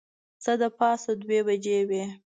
څه د پاسه دوې بجې وې.